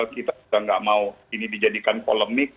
kita sudah tidak mau ini dijadikan polemik